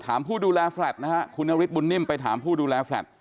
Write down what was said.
ผู้ดูแลแฟลตนะฮะคุณนฤทธบุญนิ่มไปถามผู้ดูแลแฟลต